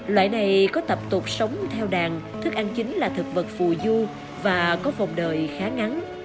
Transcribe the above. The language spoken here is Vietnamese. loại này có tập tục sống theo đàn thức ăn chính là thực vật phù du và có vòng đời khá ngắn